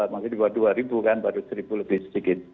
masih di bawah dua ribu kan baru seribu lebih sedikit